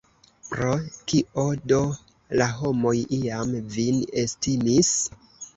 Pro kio do la homoj iam vin estimis?